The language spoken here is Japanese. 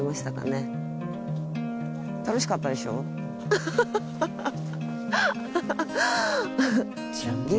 アハハハハハ。